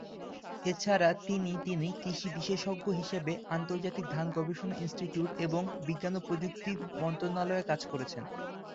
এছাড়া তিনি তিনি কৃষি বিশেষজ্ঞ হিসেবে আন্তর্জাতিক ধান গবেষণা ইনস্টিটিউট এবং বিজ্ঞান ও প্রযুক্তি মন্ত্রণালয়ে কাজ করেছেন।